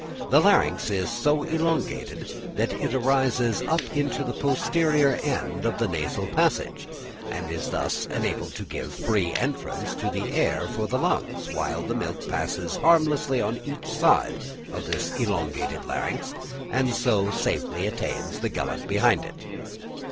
The larynx is so elongated that it rises up into the posterior end of the nasal passage, and is thus enabled to give free entrance to the air for the lungs, while the milk passes harmlessly on each side of this elongated larynx, and so safely attains the gullet behind it."